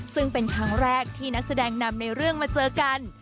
ซึ่งเป็นครั้งแรกที่นักแสดงนำในเรื่องมาเจอกัน